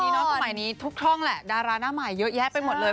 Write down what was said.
สมัยนี้ทุกช่องแหละดาราหน้าใหม่เยอะแยะไปหมดเลย